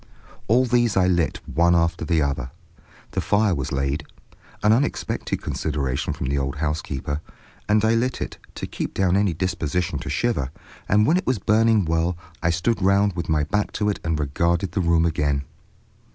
All these I lit one after the other. The fire was laid—an unexpected consideration from the old housekeeper—and I lit it, to keep down any disposition to shiver, and when it was burning well I stood round with my back to it and regarded the room again.